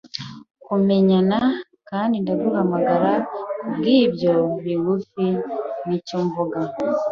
kumenyana; kandi ndaguhamagara kubwibyo bigufi, nicyo mvuga